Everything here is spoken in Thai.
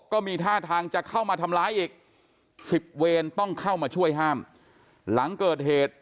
ก็มีท่าทางจะเข้ามาทำร้ายอีกสิบเวรต้องเข้ามาช่วยห้ามหลังเกิดเหตุ